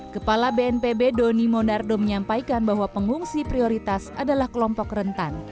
kepala bnpb doni monardo menyampaikan bahwa pengungsi prioritas adalah kelompok rentan